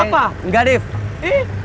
gue mau nganterin riva hari ini